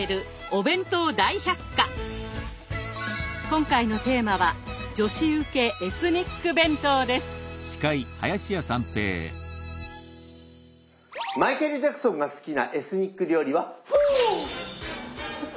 今回のテーマはマイケル・ジャクソンが好きなエスニック料理は「フォー！」。